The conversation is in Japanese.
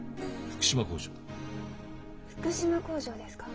福島工場ですか？